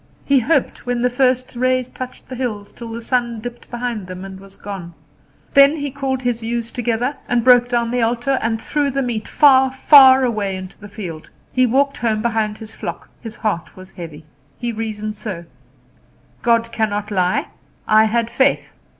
He hoped when the first rays touched the hills till the sun dipped behind them and was gone. Then he called his ewes together, and broke down the altar, and threw the meat far, far away into the field. He walked home behind his flock. His heart was heavy. He reasoned so: "God cannot lie. I had faith.